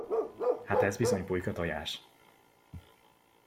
Hát ez bizony pulykatojás!